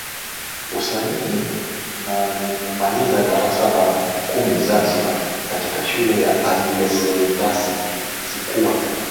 usanii na nimemaliza darasa la kumi Zanzibar katika shule ya Aile Seasie Sikuwa